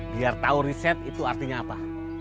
biar tahu riset itu artinya apa